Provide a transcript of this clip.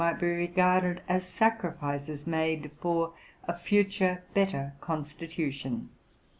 123 might be regarded as sacrifices made for a future better constitution.